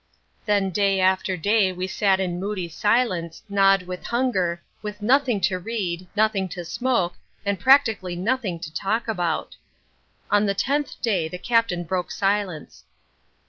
Then day after day we sat in moody silence, gnawed with hunger, with nothing to read, nothing to smoke, and practically nothing to talk about. On the tenth day the Captain broke silence.